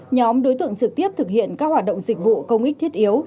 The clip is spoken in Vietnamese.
nhóm đối tượng trực tiếp thực hiện các hoạt động dịch vụ công ích thiết yếu